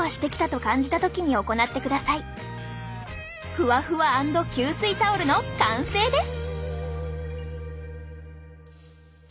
ふわふわ＆吸水タオルの完成です！